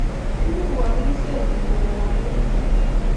imurwoni kesemee balekab bolutik